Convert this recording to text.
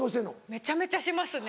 めちゃめちゃしますね。